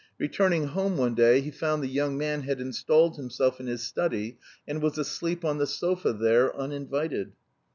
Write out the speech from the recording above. Returning home one day he found the young man had installed himself in his study and was asleep on the sofa there, uninvited.